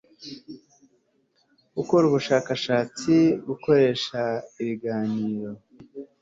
gukora ubushakashatsi gukoresha ibiganiro